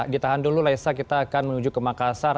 ditahan dulu leza kita akan menuju ke makassar